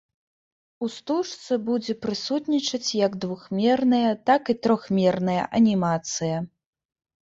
У стужцы будзе прысутнічаць як двухмерная, так і трохмерная анімацыя.